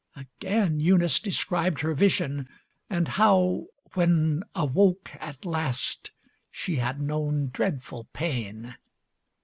Again Eunice described her vision, and how when Awoke at last she had known dreadful pain.